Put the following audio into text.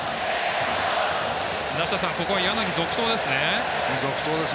ここは柳、続投ですね。